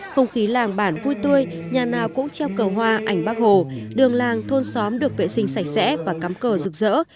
không khí làng bản vui tươi nhà nào cũng treo cờ hoa ảnh bác hồ đường làng thôn xóm được vệ sinh sạch sẽ và cắm cờ rực rỡ